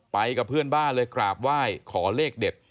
ไปกับเพื่อนบ้านเลยกราบไหว้ขอเลขเด็ด